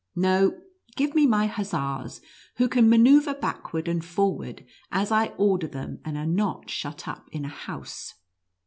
No, give me my hussars, who can manoeuvre backward and for ward, as I order them, and are not shat up in a house."